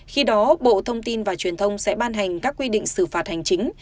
khi đó bộ thông tin và truyền thông sẽ ban hành các quy định xử phạt hành chính